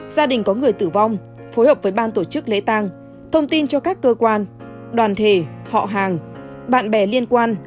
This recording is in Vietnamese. gia đình có người tử vong phối hợp với ban tổ chức lễ tang thông tin cho các cơ quan đoàn thể họ hàng bạn bè liên quan